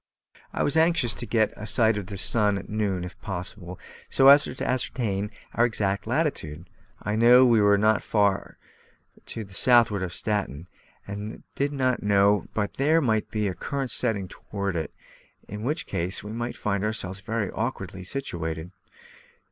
I was anxious to get a sight of the sun at noon, if possible, so as to ascertain our exact latitude. I knew we were not very far to the southward of Staten; and I did not know but there might be a current setting us toward it, in which case we might find ourselves very awkwardly situated.